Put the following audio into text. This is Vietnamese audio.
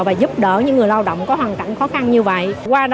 và giúp đỡ những người lao động có hoàn cảnh khó khăn như vậy